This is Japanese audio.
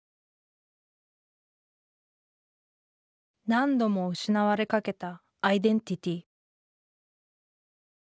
何度も失われかけたアイデンティティー。